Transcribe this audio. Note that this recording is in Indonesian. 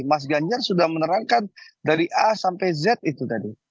mas ganjar sudah menerangkan dari a sampai z itu tadi